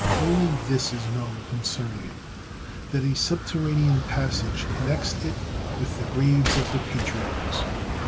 Only this is know concerning it, that a subterranean passage connects it with the graves of the Patriarchs.